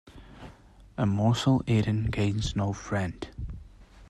A morsel eaten gains no friend.